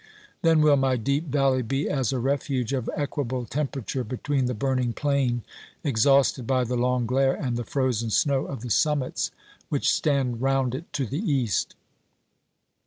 Then will my deep valley be as a refuge of equable temperature between the burning plain exhausted by the long glare, and the frozen snow of the summits which stand round it to the east.